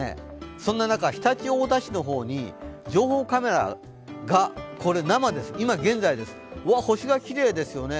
そんな中、常陸太田市の情報カメラ、これ、生、いま現在です星がきれいですよね。